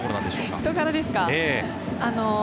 人柄ですか？